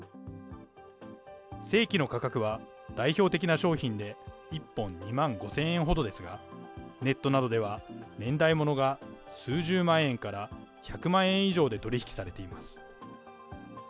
正規の価格は代表的な商品で１本２万５０００円ほどですが、ネットなどでは、年代物が数十万円から１００万円以上で取り引きされています。